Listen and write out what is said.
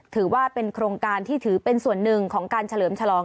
ถือว่าเป็นโครงการที่ถือเป็นส่วนหนึ่งของการเฉลิมฉลอง